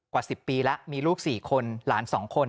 กว่า๑๐ปีแล้วมีลูก๔คนหลาน๒คน